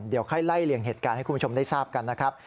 เดี๋ยวค่อยไล่เลี่ยงเหตุการณ์ให้คุณผู้ชมได้ทราบกันนะครับ